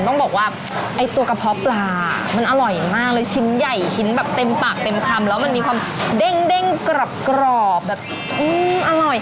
ต้องบอกว่าไอ้ตัวกระเพาะปลามันอร่อยมากเลยชิ้นใหญ่ชิ้นแบบเต็มปากเต็มคำแล้วมันมีความเด้งกรอบแบบอร่อย